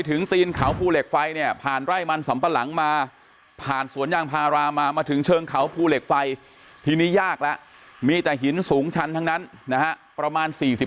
เอาภูเหล็กไฟทีนี้ยากแล้วมีแต่หินสูงชั้นทั้งนั้นนะฮะประมาณ